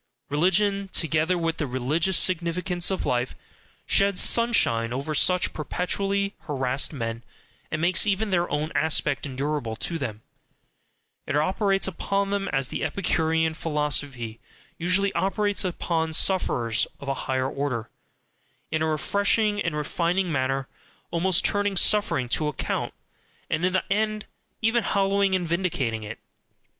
Religion, together with the religious significance of life, sheds sunshine over such perpetually harassed men, and makes even their own aspect endurable to them, it operates upon them as the Epicurean philosophy usually operates upon sufferers of a higher order, in a refreshing and refining manner, almost TURNING suffering TO ACCOUNT, and in the end even hallowing and vindicating it.